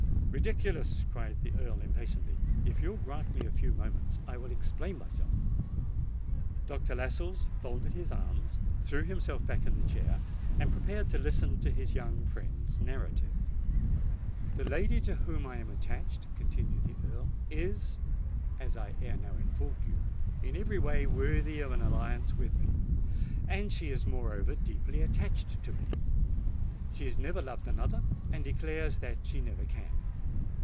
"Ridiculous!" cried the Earl impatiently. "If you will grant me a few moments, I will explain myself." Dr. Lascelles folded his arms, threw himself back in the chair, and prepared to listen to his young friend's narrative. "The lady to whom I am attached," continued the Earl, "is, as I ere now informed you, in every way worthy of an alliance with me; and she is moreover deeply attached to me. She has never loved another, and declares that she never can.